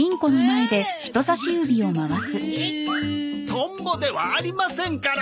トンボではありませんから！